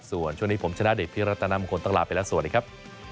ส่วนช่วงนี้ผมชนะเดชพิรัตนามงคลต้องลาไปแล้วสวัสดีครับ